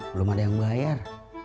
belum ada yang bayar